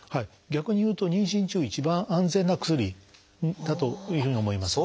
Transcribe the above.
逆に言うと妊娠中一番安全な薬だというふうに思います。